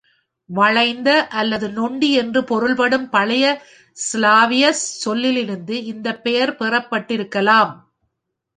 "வளைந்த" அல்லது "நொண்டி" என்று பொருள்படும் பழைய ஸ்லாவியச் சொல்லிலிருந்து இந்தப் பெயர் பெறப்பட்டிருக்கலாம்.